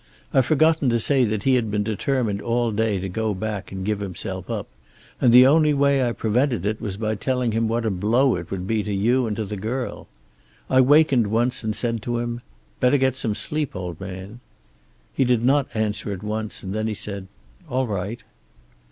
I've forgotten to say that he had been determined all day to go back and give himself up, and the only way I prevented it was by telling him what a blow it would be to you and to the girl. I wakened once and said to him, 'Better get some sleep, old man.' He did not answer at once, and then he said, 'All right.'